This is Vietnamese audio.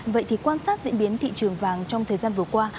vậy thì quan sát diễn biến thị trường vàng trong thời gian vừa qua